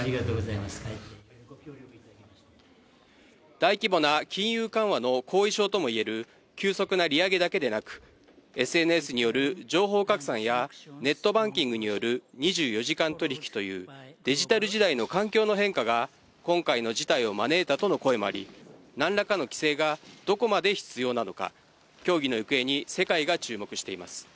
大規模な金融緩和の後遺症ともいえる急速な利上げだけでなく、ＳＮＳによる情報拡散やネットバンキングによる２４時間取引というデジタル時代の環境の変化が今回の事態を招いたとの声もあり、何らかの規制がどこまで必要なのか、協議の行方に世界が注目しています。